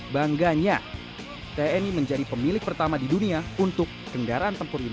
bangganya tni menjadi pemilik pertama di dunia untuk kendaraan tempur ini